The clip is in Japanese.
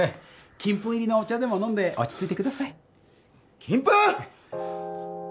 金粉入りのお茶でも飲んで落ち着いてください金粉！？